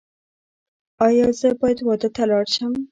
ایا زه باید واده ته لاړ شم؟